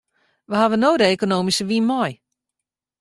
Wy hawwe no de ekonomyske wyn mei.